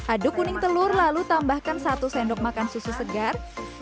aduk kuning telur lalu tambahkan satu sendok makan susu segar